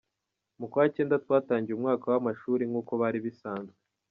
Mu kwa cyenda twatangiye umwaka w’amashuli nk’uko bari bisanzwe.